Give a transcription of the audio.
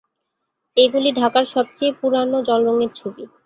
এগুলি ঢাকার সবচেয়ে পুরানো জলরং এর ছবি।